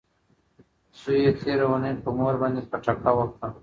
زوی یې تیره اونۍ په مور باندې پټکه وکړه.